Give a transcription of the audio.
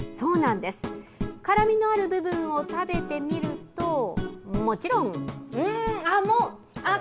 辛みのある部分を食べてみるともちろん。